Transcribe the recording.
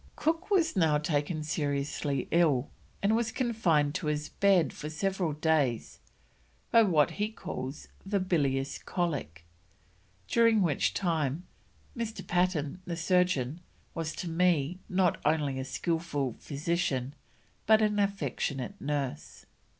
Cook was now taken seriously ill and was confined to his bed for several days by what he calls the bilious cholic, during which time "Mr. Patten, the surgeon, was to me, not only a skilful physician, but an affectionate nurse."